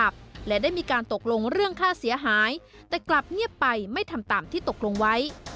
และได้มีการตกลงเรื่องค่าเสียหายแต่กลับเงียบไปไม่ทำตามที่ตกลงไว้